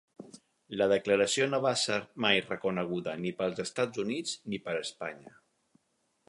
La declaració no va ser mai reconeguda ni pels Estats Units ni per Espanya.